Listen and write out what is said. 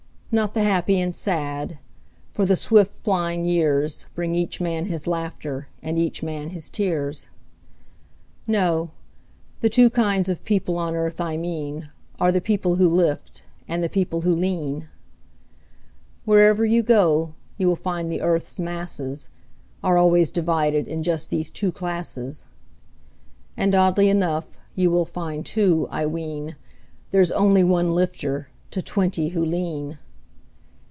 Not the happy and sad, for the swift flying years Bring each man his laughter and each man his tears. No; the two kinds of people on earth I mean, Are the people who lift, and the people who lean. Wherever you go, you will find the earth's masses, Are always divided in just these two classes. And oddly enough, you will find too, I ween, There's only one lifter to twenty who lean.